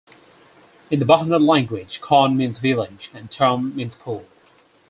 In the Bahnar language, "kon" means "village" and "tum" means "pool".